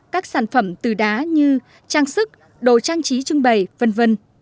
các sản phẩm từ đá như trang sức đồ trang trí trưng bày v v